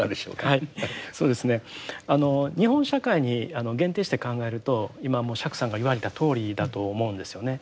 はいそうですね日本社会に限定して考えると今もう釈さんが言われたとおりだと思うんですよね。